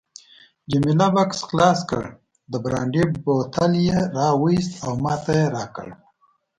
جميله بکس خلاص کړ، د برانډي بوتل یې راوایست او ماته یې راکړ.